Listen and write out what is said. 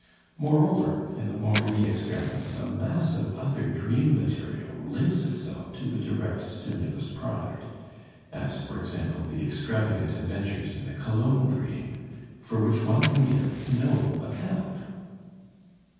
Moreover, in the Maury experiments a mass of other dream material links itself to the direct stimulus product; as, for example, the extravagant adventures in the cologne dream, for which one can give no account.